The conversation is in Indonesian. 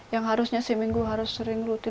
yang harusnya seminggu harus sering rutin